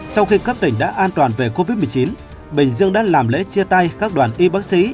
sau khi cấp tỉnh đã an toàn về covid một mươi chín bình dương đã làm lễ chia tay các đoàn y bác sĩ